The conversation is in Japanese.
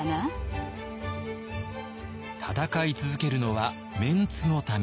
戦い続けるのはメンツのため。